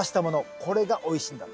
これがおいしいんだって。